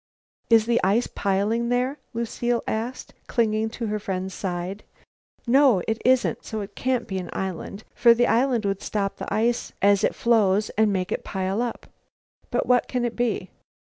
"Is the ice piling there?" Lucile asked, clinging to her friend's side. "No, it isn't, so it can't be an island, for the island would stop the ice as it flows and make it pile up." "But what can it be?"